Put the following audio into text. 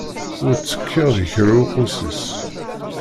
Ur ttekkiɣ di kra uqusis.